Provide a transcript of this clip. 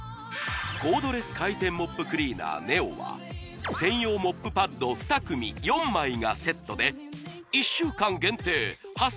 コードレス回転モップクリーナーＮｅｏは専用モップパッド２組４枚がセットで１週間限定